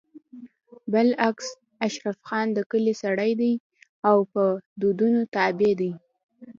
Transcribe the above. بالعكس اشرف خان د کلي سړی دی او په دودونو تابع دی